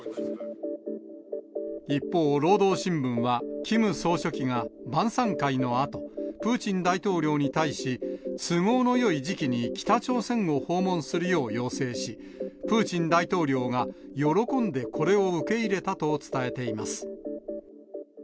一方、労働新聞はキム総書記が晩さん会のあと、プーチン大統領に対し、都合のよい時期に北朝鮮を訪問するよう要請し、プーチン大統領が喜んでこれを受け入れたと伝えています。